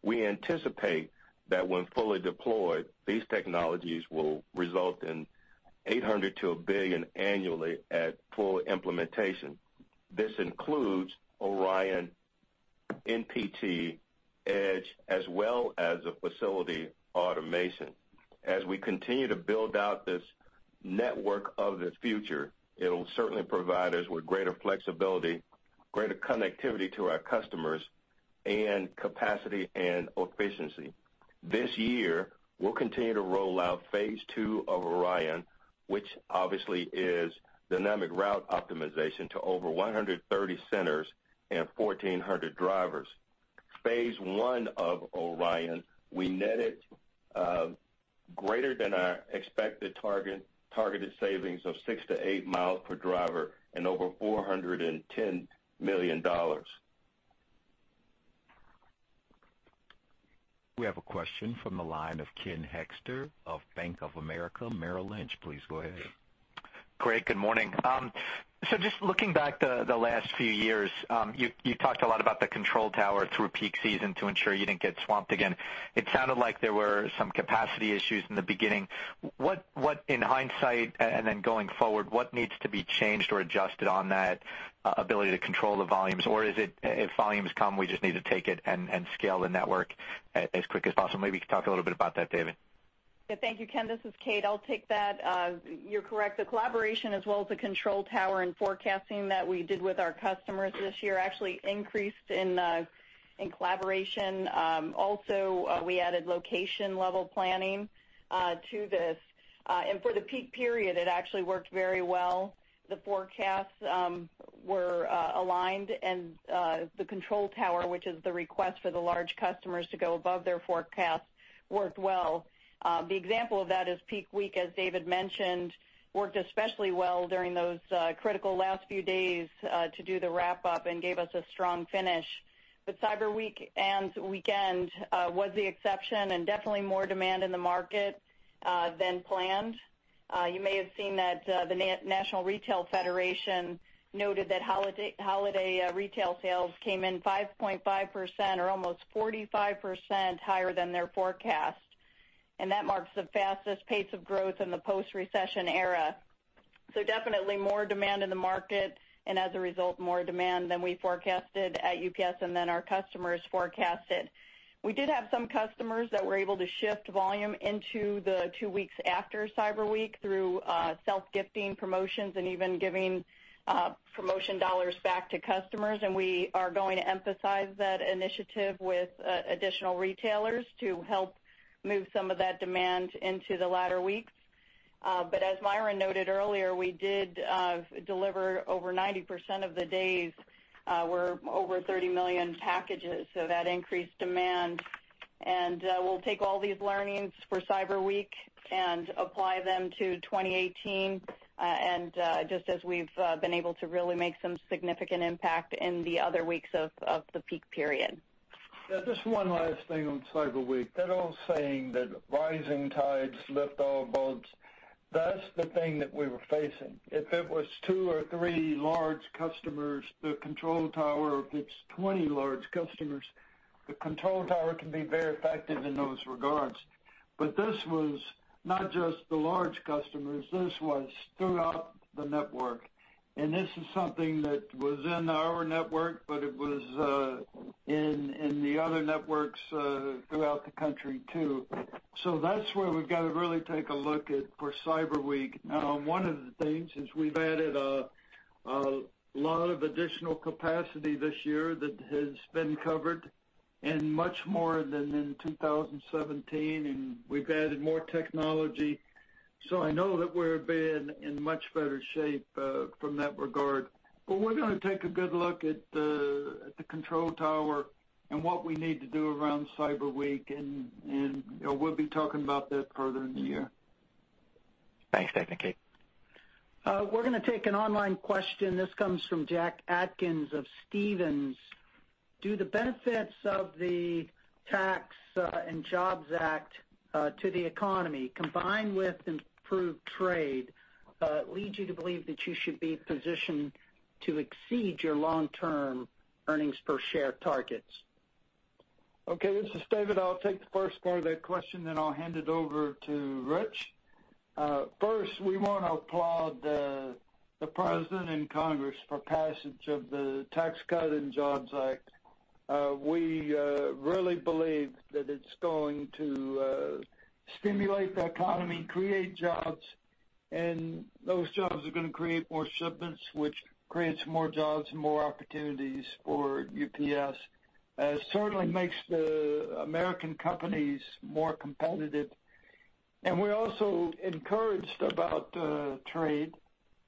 We anticipate that when fully deployed, these technologies will result in $800 million to $1 billion annually at full implementation. This includes ORION, NPT, EDGE, as well as a facility automation. As we continue to build out this network of the future, it'll certainly provide us with greater flexibility, greater connectivity to our customers, and capacity and efficiency. This year, we'll continue to roll out phase 2 of ORION, which obviously is dynamic route optimization to over 130 centers and 1,400 drivers. Phase 1 of ORION, we netted greater than our expected targeted savings of six to eight miles per driver and over $410 million. We have a question from the line of Ken Hoexter of Bank of America Merrill Lynch. Please go ahead. Craig, good morning. Just looking back the last few years, you talked a lot about the control tower through peak season to ensure you didn't get swamped again. It sounded like there were some capacity issues in the beginning. What, in hindsight and then going forward, what needs to be changed or adjusted on that ability to control the volumes? Or is it if volumes come, we just need to take it and scale the network as quick as possible? Maybe you could talk a little bit about that, David. Thank you, Ken. This is Kate. I'll take that. You're correct. The collaboration as well as the control tower and forecasting that we did with our customers this year actually increased in collaboration. Also, we added location-level planning to this. For the peak period, it actually worked very well. The forecasts were aligned and the control tower, which is the request for the large customers to go above their forecast, worked well. The example of that is peak week, as David mentioned, worked especially well during those critical last few days to do the wrap-up and gave us a strong finish. Cyber Week and weekend was the exception and definitely more demand in the market than planned. You may have seen that the National Retail Federation noted that holiday retail sales came in 5.5% or almost 45% higher than their forecast. That marks the fastest pace of growth in the post-recession era. Definitely more demand in the market and as a result, more demand than we forecasted at UPS and than our customers forecasted. We did have some customers that were able to shift volume into the two weeks after Cyber Week through self-gifting promotions and even giving promotion dollars back to customers. We are going to emphasize that initiative with additional retailers to help move some of that demand into the latter weeks. As Myron noted earlier, we did deliver over 90% of the days were over 30 million packages, so that increased demand. We'll take all these learnings for Cyber Week and apply them to 2018, and just as we've been able to really make some significant impact in the other weeks of the peak period. Yeah, just one last thing on Cyber Week. That old saying that rising tides lift all boats, that's the thing that we were facing. If it was two or three large customers, the control tower, if it's 20 large customers, the control tower can be very effective in those regards. This was not just the large customers, this was throughout the network. This is something that was in our network, but it was in the other networks throughout the country too. That's where we've got to really take a look at for Cyber Week. Now, one of the things is we've added a lot of additional capacity this year that has been covered and much more than in 2017, and we've added more technology. I know that we're being in much better shape from that regard. We're going to take a good look at the control tower and what we need to do around Cyber Week, and we'll be talking about that further in the year. Thanks, Dave. Kate? We're going to take an online question. This comes from Jack Atkins of Stephens. Do the benefits of the Tax and Jobs Act to the economy, combined with improved trade, lead you to believe that you should be positioned to exceed your long-term earnings per share targets? Okay, this is David. I'll take the first part of that question, then I'll hand it over to Rich. First, we want to applaud the President and Congress for passage of the Tax Cut and Jobs Act. We really believe that it's going to stimulate the economy, create jobs, and those jobs are going to create more shipments, which creates more jobs and more opportunities for UPS. Certainly makes the American companies more competitive. We're also encouraged about trade.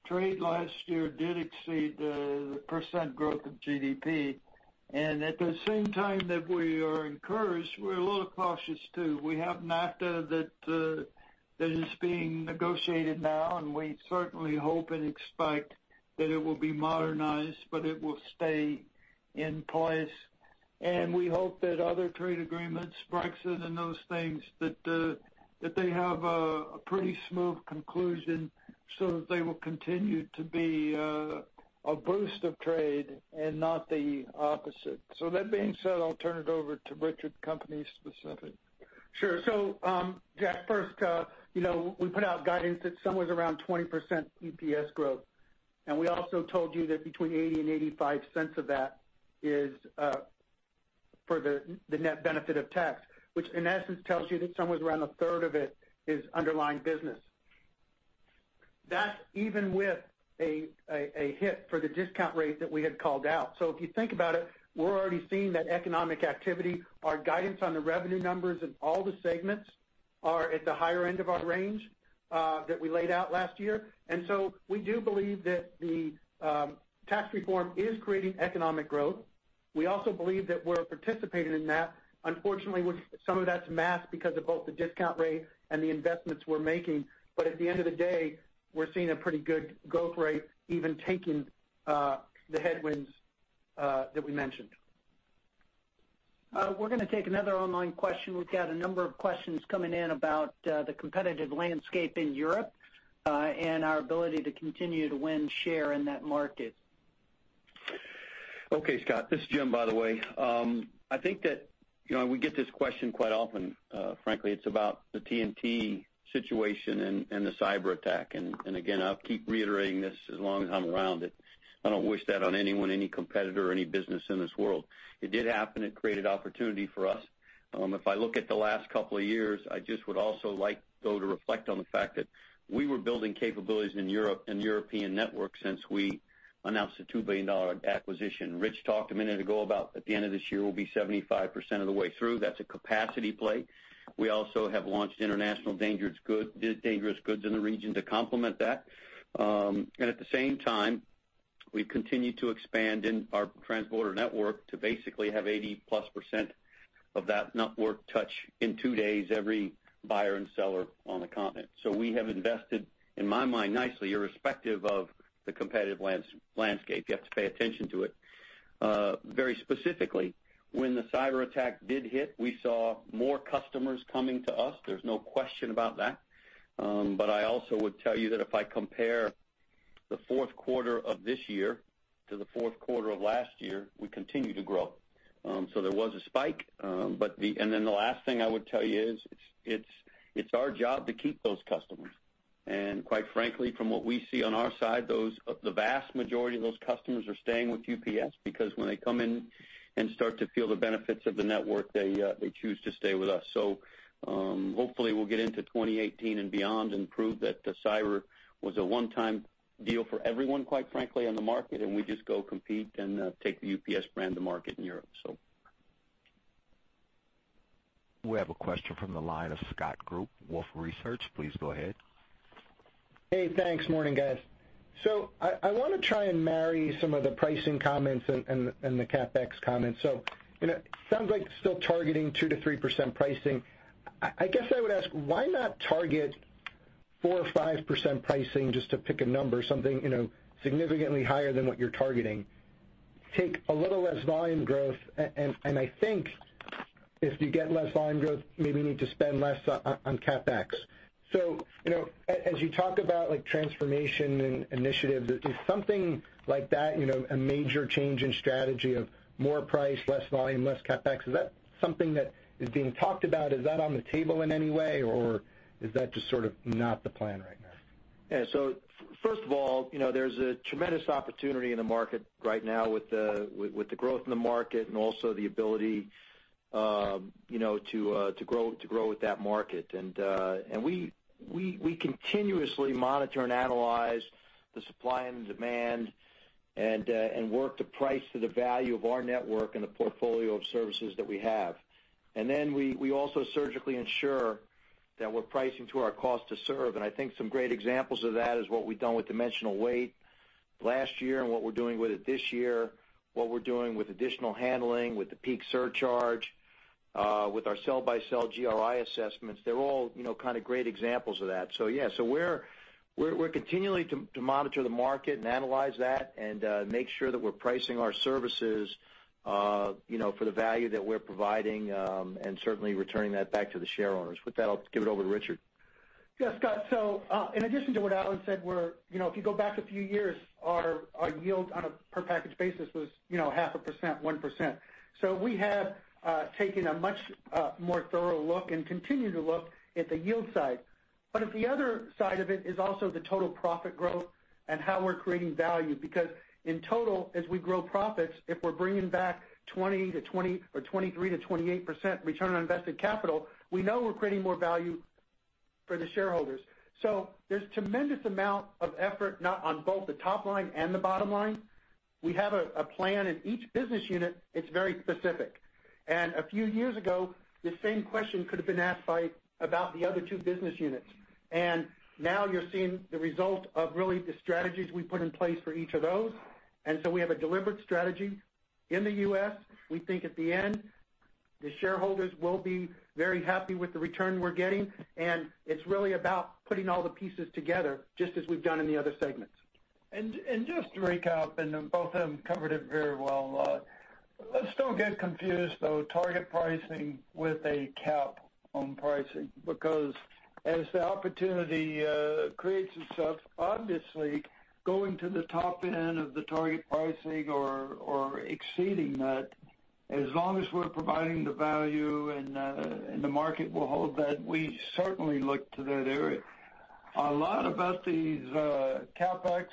Trade last year did exceed the % growth of GDP. At the same time that we are encouraged, we're a little cautious, too. We have NAFTA that is being negotiated now, and we certainly hope and expect that it will be modernized, but it will stay in place. We hope that other trade agreements, Brexit and those things, that they have a pretty smooth conclusion so that they will continue to be a boost of trade and not the opposite. That being said, I'll turn it over to Richard, company specific. Sure. Jack, first, we put out guidance that somewhere around 20% EPS growth. We also told you that between $0.80 and $0.85 of that is for the net benefit of tax, which in essence tells you that somewhere around a third of it is underlying business. That's even with a hit for the discount rate that we had called out. If you think about it, we're already seeing that economic activity. Our guidance on the revenue numbers in all the segments are at the higher end of our range that we laid out last year. We do believe that the tax reform is creating economic growth. We also believe that we're participating in that. Unfortunately, some of that's masked because of both the discount rate and the investments we're making. At the end of the day, we're seeing a pretty good growth rate, even taking the headwinds that we mentioned. We're going to take another online question. We've got a number of questions coming in about the competitive landscape in Europe, and our ability to continue to win share in that market. Okay, Scott. This is Jim, by the way. I think that we get this question quite often, frankly. It's about the TNT -situation and the cyber attack. Again, I'll keep reiterating this as long as I'm around, that I don't wish that on anyone, any competitor, or any business in this world. It did happen. It created opportunity for us. If I look at the last couple of years, I just would also like, though, to reflect on the fact that we were building capabilities in Europe and European networks since we announced a $2 billion acquisition. Rich talked a minute ago about at the end of this year, we'll be 75% of the way through. That's a capacity play. We also have launched international dangerous goods in the region to complement that. At the same time, we've continued to expand in our transporter network to basically have 80-plus% of that network touch in two days every buyer and seller on the continent. We have invested, in my mind, nicely, irrespective of the competitive landscape. You have to pay attention to it. Very specifically, when the cyber attack did hit, we saw more customers coming to us. There is no question about that. I also would tell you that if I compare the fourth quarter of this year to the fourth quarter of last year, we continue to grow. There was a spike. The last thing I would tell you is, it is our job to keep those customers. Quite frankly, from what we see on our side, the vast majority of those customers are staying with UPS, because when they come in and start to feel the benefits of the network, they choose to stay with us. Hopefully we will get into 2018 and beyond and prove that the cyber was a one-time deal for everyone, quite frankly, on the market, and we just go compete and take the UPS brand to market in Europe. We have a question from the line of Scott Group, Wolfe Research. Please go ahead. Hey, thanks. Morning, guys. I want to try and marry some of the pricing comments and the CapEx comments. It sounds like still targeting 2%-3% pricing. I guess I would ask, why not target 4% or 5% pricing just to pick a number, something significantly higher than what you are targeting? Take a little less volume growth, and I think if you get less volume growth, maybe you need to spend less on CapEx. As you talk about transformation and initiative, is something like that a major change in strategy of more price, less volume, less CapEx? Is that something that is being talked about? Is that on the table in any way, or is that just sort of not the plan right now? Yeah. First of all, there's a tremendous opportunity in the market right now with the growth in the market and also the ability to grow with that market. We continuously monitor and analyze the supply and demand and work the price to the value of our network and the portfolio of services that we have. We also surgically ensure that we're pricing to our cost to serve. I think some great examples of that is what we've done with dimensional weight last year and what we're doing with it this year, what we're doing with additional handling, with the peak surcharge, with our cell-by-cell GRI assessments. They're all great examples of that. Yeah. We're continuing to monitor the market and analyze that and make sure that we're pricing our services for the value that we're providing and certainly returning that back to the shareholders. With that, I'll give it over to Richard. Yeah, Scott. In addition to what Alan said, if you go back a few years, our yield on a per package basis was half a percent, 1%. We have taken a much more thorough look and continue to look at the yield side. At the other side of it is also the total profit growth and how we're creating value because, in total, as we grow profits, if we're bringing back 23%-28% return on invested capital, we know we're creating more value for the shareholders. There's tremendous amount of effort on both the top line and the bottom line. We have a plan in each business unit. It's very specific. A few years ago, the same question could have been asked about the other two business units. Now you're seeing the result of really the strategies we put in place for each of those. We have a deliberate strategy in the U.S. We think at the end, the shareholders will be very happy with the return we're getting, and it's really about putting all the pieces together, just as we've done in the other segments. Just to recap, both of them covered it very well. Let's don't get confused, though, target pricing with a cap on pricing, because as the opportunity creates itself, obviously, going to the top end of the target pricing or exceeding that, as long as we're providing the value and the market will hold that, we certainly look to that area. A lot about these CapEx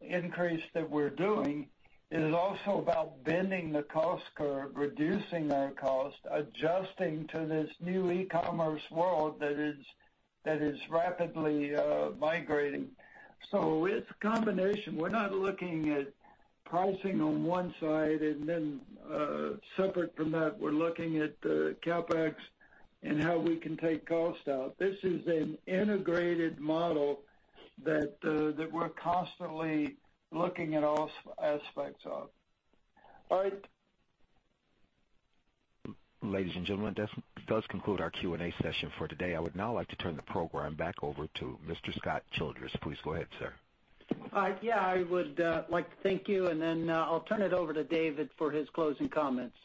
increase that we're doing is also about bending the cost curve, reducing our cost, adjusting to this new e-commerce world that is rapidly migrating. It's a combination. We're not looking at pricing on one side and then separate from that, we're looking at CapEx and how we can take cost out. This is an integrated model that we're constantly looking at all aspects of. All right. Ladies and gentlemen, this does conclude our Q&A session for today. I would now like to turn the program back over to Mr. Scott Childress. Please go ahead, sir. I would like to thank you, and then I'll turn it over to David for his closing comments.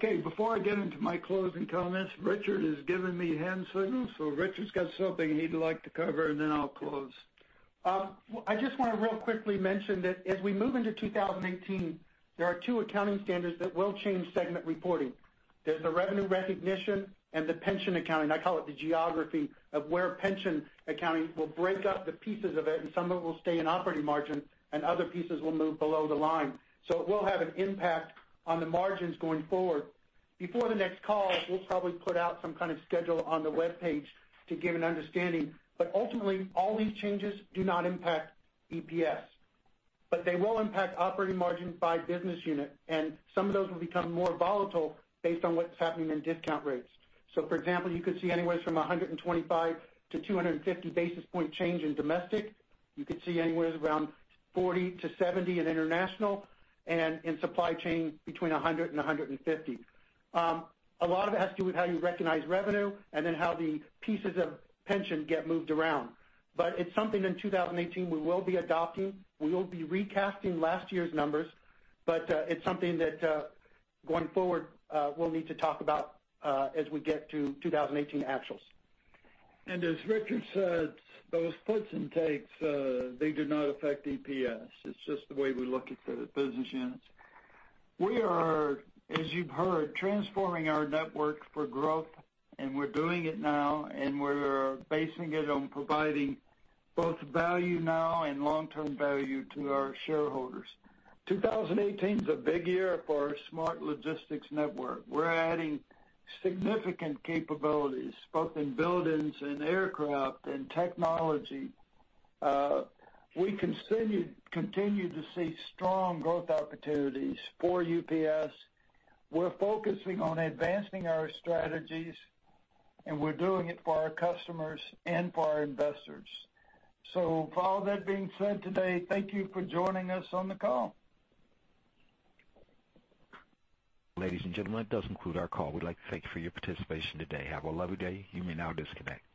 Before I get into my closing comments, Richard has given me hand signals. Richard's got something he'd like to cover, and then I'll close. I just want to real quickly mention that as we move into 2018, there are 2 accounting standards that will change segment reporting. There's the revenue recognition and the pension accounting. I call it the geography of where pension accounting will break up the pieces of it, and some of it will stay in operating margin and other pieces will move below the line. It will have an impact on the margins going forward. Before the next call, we'll probably put out some kind of schedule on the webpage to give an understanding. Ultimately, all these changes do not impact EPS, but they will impact operating margin by business unit, and some of those will become more volatile based on what's happening in discount rates. For example, you could see anywhere from 125 to 250 basis point change in domestic. You could see anywhere around 40 to 70 in international, and in supply chain between 100 and 150. A lot of it has to do with how you recognize revenue and then how the pieces of pension get moved around. It's something in 2018 we will be adopting. We will be recasting last year's numbers, it's something that, going forward, we'll need to talk about as we get to 2018 actuals. As Richard said, those puts and takes, they do not affect EPS. It's just the way we look at the business units. We are, as you've heard, transforming our network for growth, and we're doing it now, and we're basing it on providing both value now and long-term value to our shareholders. 2018 is a big year for our smart logistics network. We're adding significant capabilities, both in buildings and aircraft and technology. We continue to see strong growth opportunities for UPS. We're focusing on advancing our strategies, we're doing it for our customers and for our investors. With all that being said today, thank you for joining us on the call. Ladies and gentlemen, that does conclude our call. We'd like to thank you for your participation today. Have a lovely day. You may now disconnect.